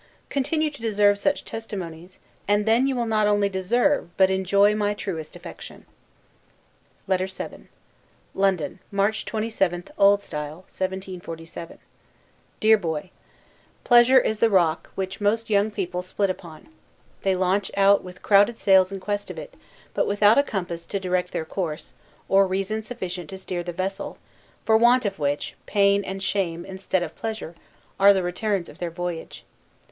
Continue to deserve such testimonies; and then you will not only deserve, but enjoy my truest affection. LETTER VII LONDON, March 27, O. S. 1747. DEAR BOY: Pleasure is the rock which most young people split upon: they launch out with crowded sails in quest of it, but without a compass to direct their course, or reason sufficient to steer the vessel; for want of which, pain and shame, instead of pleasure, are the returns of their voyage.